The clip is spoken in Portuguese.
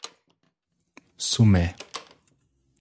Sumé